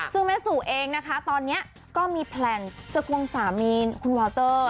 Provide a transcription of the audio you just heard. ซึ่งแม่สู่เองนะคะตอนนี้ก็มีแพลนจะควงสามีคุณวาวเตอร์